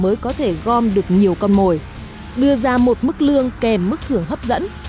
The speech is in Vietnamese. mới có thể gom được nhiều con mồi đưa ra một mức lương kèm mức thưởng hấp dẫn